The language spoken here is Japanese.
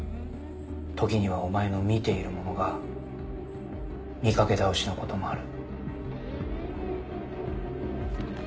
時にはお前の見ているものが見かけ倒しのこともある。